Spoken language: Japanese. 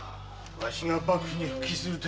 わしが幕府に復帰する願い